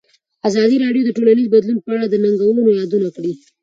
ازادي راډیو د ټولنیز بدلون په اړه د ننګونو یادونه کړې.